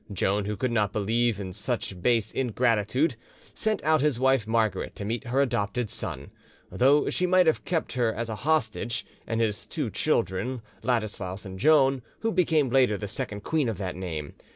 Joan, who could not believe in such base ingratitude, sent out his wife Margaret to meet her adopted son, though she might have kept her as a hostage, and his two children, Ladislaus and Joan, who became later the second queen of that name.